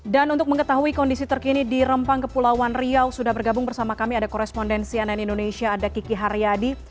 dan untuk mengetahui kondisi terkini di rempang kepulauan riau sudah bergabung bersama kami ada korespondensi ann indonesia ada kiki haryadi